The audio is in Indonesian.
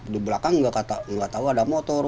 di belakang nggak tahu ada motor